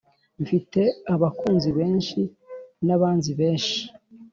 Mfite abakunzi beshi nabanzi beshi